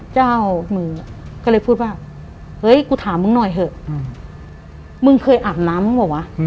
เจ้ามือก็เลยพูดว่าเฮ้ยกูถามมึงหน่อยเถอะมึงเคยอาบน้ำมึงเปล่าวะ